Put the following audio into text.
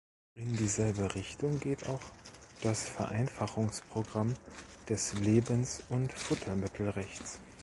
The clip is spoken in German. In dieselbe Richtung geht auch das Vereinfachungsprogramm des Lebens- und Futtermittelrechts.